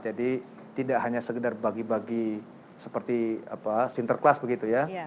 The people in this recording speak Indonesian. jadi tidak hanya segedar bagi bagi seperti sinterklas begitu ya